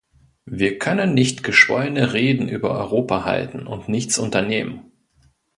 Wir können nicht geschwollene Reden über Europa halten und nichts unternehmen.